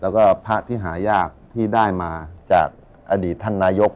แล้วก็พระที่หายากที่ได้มาจากอดีตท่านนายก